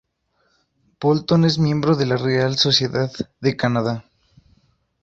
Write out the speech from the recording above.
Bolton es miembro de la Real Sociedad de Canadá.